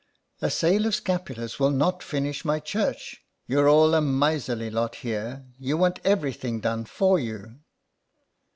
" A sale of scapulars will not finish my church. You're all a miserly lot here, you want everything done for you."